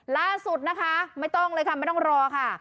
ล่าสุดนะคะไม่ต้องเลยค่ะไม่ต้องรอค่ะ